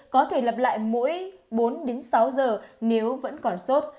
có thể lập lại mỗi bốn đến sáu giờ nếu vẫn còn sốt